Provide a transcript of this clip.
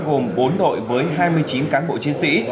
gồm bốn đội với hai mươi chín cán bộ chiến sĩ